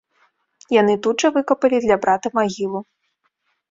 Яны тут жа выкапалі для брата магілу.